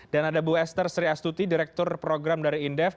dan ada bu esther sriastuti direktur program dari indef